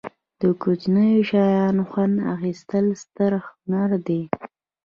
له کوچنیو شیانو خوند اخستل ستر هنر دی.